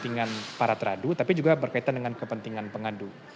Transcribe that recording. tidak hanya terhadu tapi juga berkaitan dengan kepentingan pengadu